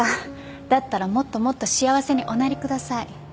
だったらもっともっと幸せにおなりください。